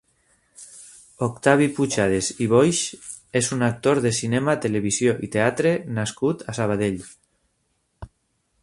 Octavi Pujades i Boix és un actor de cinema, televisió i teatre nascut a Sabadell.